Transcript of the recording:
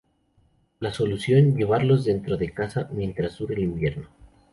La solución: llevarlos dentro de casa mientras dura el invierno.